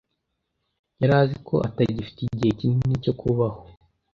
Yari azi ko atagifite igihe kinini cyo kubaho.